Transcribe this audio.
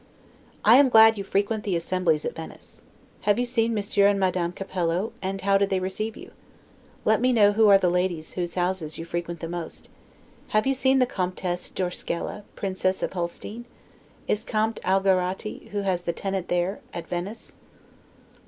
I am glad you frequent the assemblies at Venice. Have you seen Monsieur and Madame Capello, and how did they receive you? Let me know who are the ladies whose houses you frequent the most. Have you seen the Comptesse d'Orselska, Princess of Holstein? Is Comte Algarotti, who was the TENANT there, at Venice?